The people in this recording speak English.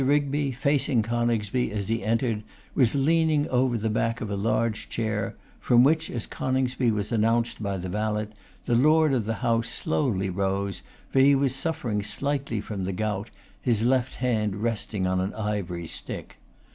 Rigby, facing Coningsby as he entered, was leaning over the back of a large chair, from which as Coningsby was announced by the valet, the Lord of the house slowly rose, for he was suffering slightly from the gout, his left hand resting on an ivory stick.